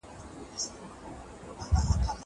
زه اوس اوبه پاکوم!!